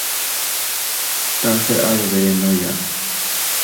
Tase a dbenoya.